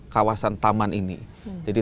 kawasan taman ini jadi